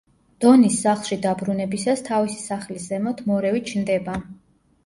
დონის სახლში დაბრუნებისას თავისი სახლის ზემოთ მორევი ჩნდება.